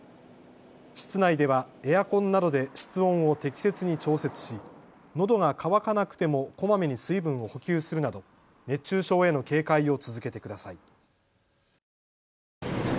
室内ではエアコンなどで室温を適切に調節しのどが渇かなくてもこまめに水分を補給するなど熱中症への警戒を続けてください。